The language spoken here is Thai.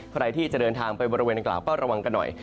ใครที่จะเดินทางไปบริเวณอังกล่าวก็ระวังกันหน่อย